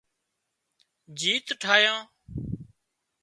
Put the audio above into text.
جيت ٺاهيان